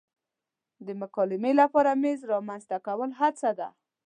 د مکالمې لپاره میز رامنځته کول هڅه ده.